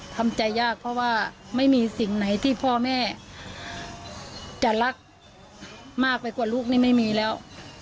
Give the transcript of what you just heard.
ทำใจยากเพราะว่าไม่มีสิ่งไหนที่พ่อแม่จะรักมากไปกว่าลูกนี่ไม่มีแล้ว